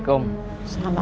aku sudah berhenti